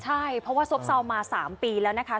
ใช่เพราะว่าซบเซามา๓ปีแล้วนะคะ